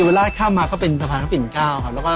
ยวราชฝั่งมาฝั่งมาเป็นเฉพาะแอะไร